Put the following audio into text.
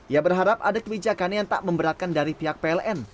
ia berharap ada kebijakan yang tak memberatkan dari pihak pln